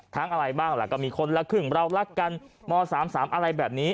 อะไรบ้างล่ะก็มีคนละครึ่งเรารักกันม๓๓อะไรแบบนี้